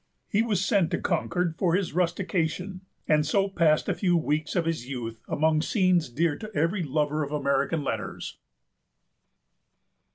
He was sent to Concord for his rustication, and so passed a few weeks of his youth amongst scenes dear to every lover of American letters.